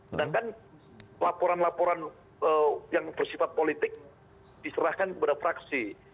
sedangkan laporan laporan yang bersifat politik diserahkan kepada fraksi